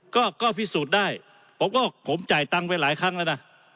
ก็ก็พิสูจน์ได้ผมก็ผมจ่ายตังค์ไปหลายครั้งแล้วนะ